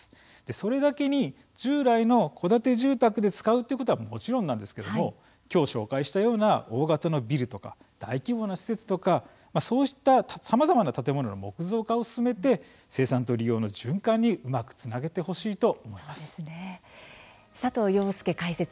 それだけに従来の戸建て住宅で使うということはもちろんなんですけども今日紹介したような大型のビルとか大規模な施設とかそうした、さまざまな建物の木造化を進めて生産と利用の循環にうまくつなげてほしいと思います。